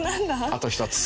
あと１つ。